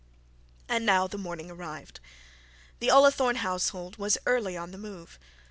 And now the morning arrived. The Ullathorne household was early on the move.